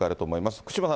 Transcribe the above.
福島さん